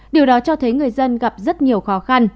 điều đó cho thấy người dân gặp rất nhiều khó khăn